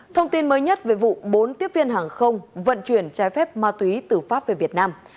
thông tin mới nhất về vụ bốn tiếp viên hàng không vận chuyển trái phép ma túy từ pháp về việt nam